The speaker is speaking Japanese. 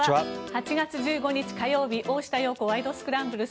８月１５日、火曜日「大下容子ワイド！スクランブル」。